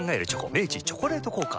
明治「チョコレート効果」